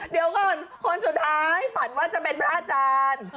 เดี๋ยวนะเดี๋ยวคนคนสุดท้ายหันว่าจะเป็นพระอาจารย์